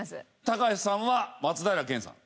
高橋さんは松平健さん。